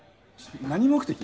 何目的？